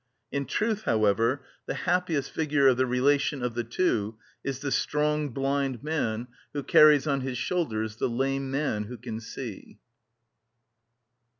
In truth, however, the happiest figure of the relation of the two is the strong blind man who carries on his shoulders the lame man who can see.